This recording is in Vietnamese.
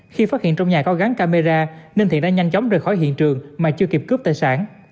khi phát hiện trong nhà có gắn camera nên thiện đã nhanh chóng rời khỏi hiện trường mà chưa kịp cướp tài sản